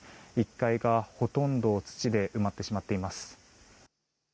１階がほとんど土で埋まってしまっています。